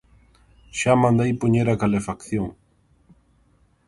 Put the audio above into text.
Xa mandei poñer a calefacción.